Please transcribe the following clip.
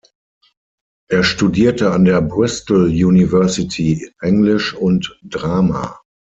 Er studierte an der Bristol University Englisch und Drama.